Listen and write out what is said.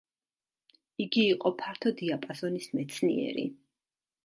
იგი იყო ფართო დიაპაზონის მეცნიერი.